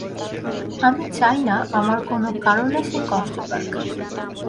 আমি চাই না, আমার কোনো কারণে সে কষ্ট পাক।